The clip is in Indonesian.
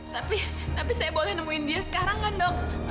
tapi tapi saya boleh nemuin dia sekarang kan dok